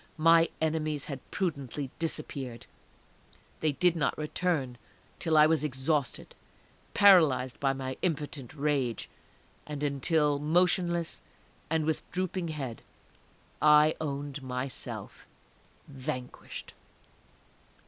My enemies had prudently disappeared; they did not return till I was exhausted, paralyzed by my impotent rage, and until, motionless, and with drooping head, I owned myself vanquished!